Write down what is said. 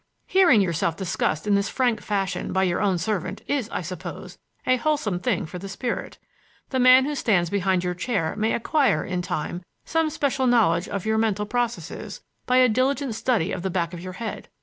Hearing yourself discussed in this frank fashion by your own servant is, I suppose, a wholesome thing for the spirit. The man who stands behind your chair may acquire, in time, some special knowledge of your mental processes by a diligent study of the back of your head.